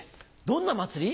どんな祭り？